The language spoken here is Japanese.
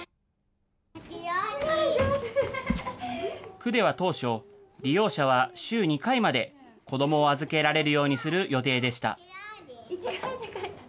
区では当初、利用者は週２回まで子どもを預けられるようにする予定でした。